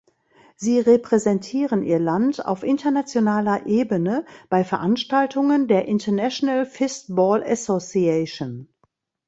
Sie repräsentieren ihr Land auf internationaler Ebene bei Veranstaltungen der International Fistball Association.